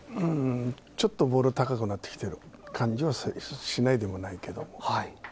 ちょっとボール高くなってきてる感じはしないでもないけど。